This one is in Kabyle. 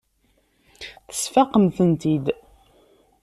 Tesfaqem-tent-id.